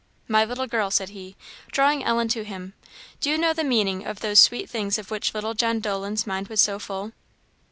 My little girl," said he, drawing Ellen to him, "do you know the meaning of those sweet things of which little John Dolan's mind was so full?"